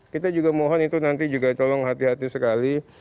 kita juga mohon itu nanti juga tolong hati hati sekali